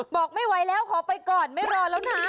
บอกไม่ไหวแล้วขอไปก่อนไม่รอแล้วนะ